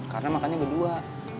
karena makannya berdua